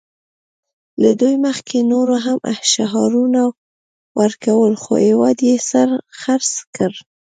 له دوی مخکې نورو هم شعارونه ورکول خو هېواد یې خرڅ کړ